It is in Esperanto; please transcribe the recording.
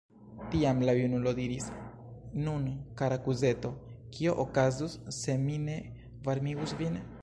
Tiam la junulo diris: Nun, kara kuzeto, kio okazus se mi ne varmigus vin?